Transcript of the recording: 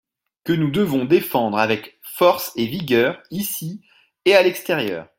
que nous devons défendre avec force et vigueur, ici et à l’extérieur.